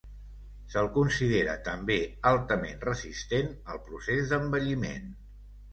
Se'l considera també altament resistent al procés d'envelliment.